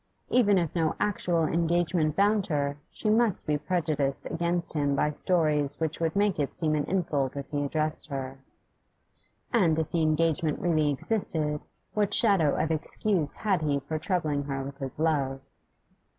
Even if no actual engagement bound her, she must be prejudiced against him by stories which would make it seem an insult if he addressed her. And if the engagement really existed, what shadow of excuse had he for troubling her with his love?